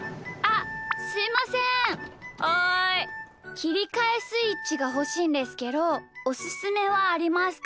きりかえスイッチがほしいんですけどおすすめはありますか？